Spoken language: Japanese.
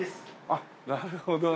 あっなるほどね。